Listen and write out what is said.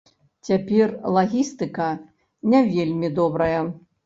Цяпер лагістыка не вельмі добрая.